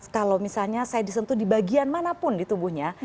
kalau misalnya saya disentuh di bagian manapun di tubuhnya